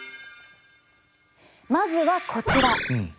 まずはこちら。